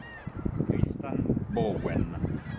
Tristan Bowen